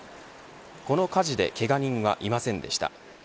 この火事でけが人はいませんでした。